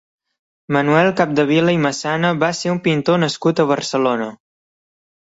Manuel Capdevila i Massana va ser un pintor nascut a Barcelona.